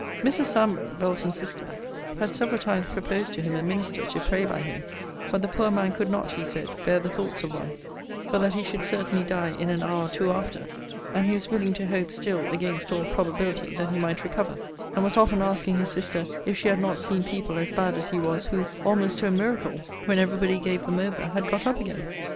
Mrs. Sambre (Belton's sister) had several times proposed to him a minister to pray by him, but the poor man could not, he said, bear the thoughts of one; for that he should certainly die in an hour or two after; and he was willing to hope still, against all probability, that he might recover; and was often asking his sister if she had not seen people as bad as he was, who, almost to a miracle, when every body gave them over, had got up again?